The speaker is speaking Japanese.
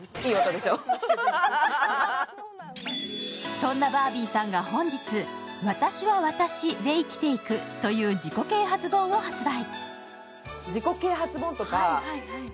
そんなバービーさんが本日、「「わたしはわたし」で生きていく」という自己啓発本を発売。